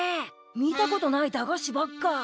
見たことない駄菓子ばっか。